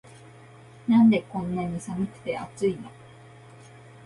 なんでこんなに寒くて熱いの